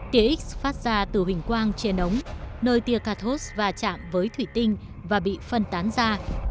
tia x phát ra từ hình quang trên ống nơi tia cathos va chạm với thủy tinh và bị phân tán ra